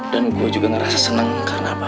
dan gue juga ngerasa senang karena apa